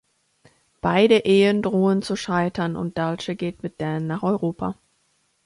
Beide Ehen drohen zu scheitern und Dulce geht mit Dan nach Europa.